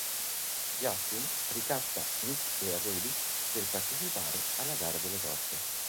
Justin ricatta Nick e Rudy per partecipare alla gara delle torte.